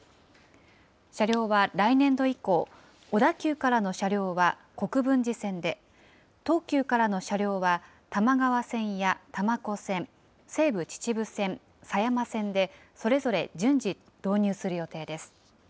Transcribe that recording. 車両は来年度以降、小田急からの車両は国分寺線で、東急からの車両は多摩川線や多摩湖線、西武秩父線、狭山線で、それぞれ順次、導入する予定です。